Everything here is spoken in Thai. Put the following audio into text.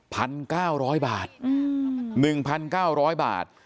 พันเก้าร้อยบาทอืมหนึ่งพันเก้าร้อยบาท